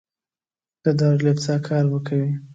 د دارالافتا کار به کوي.